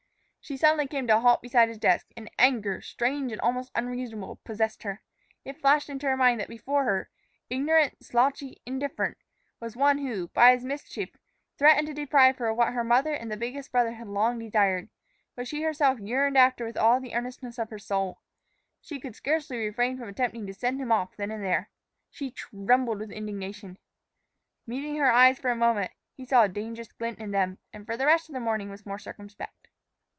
She suddenly came to a halt beside his desk, and anger, strange and almost unreasonable, possessed her. It flashed into her mind that before her, ignorant, slouchy, indifferent, was one who, by his mischief, threatened to deprive her of what her mother and the biggest brother had long desired, what she herself yearned after with all the earnestness of her soul. She could scarcely refrain from attempting to send him off then and there! She trembled with indignation. Meeting her eyes for a moment, he saw a dangerous glint in them, and for the rest of the morning was more circumspect.